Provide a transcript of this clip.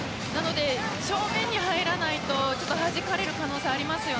正面に入らないとはじかれる可能性があります。